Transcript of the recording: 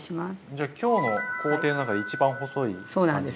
じゃあ今日の工程の中で一番細い感じですね。